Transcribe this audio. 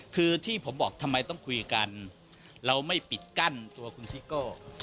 คือที่ผมบอกทำไมต้องคุยกันเราไม่ปิดกั้นตัวคุณซิโก้